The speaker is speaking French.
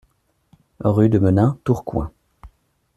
Rue de Menin, Tourcoing